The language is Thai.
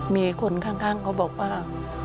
มีคนข้างเขาบอกว่า